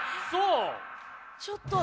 ちょっと。